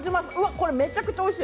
これめちゃくちゃおいしい。